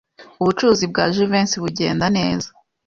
Ubucuruzi bwa Jivency bugenda neza.